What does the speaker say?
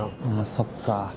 そっか。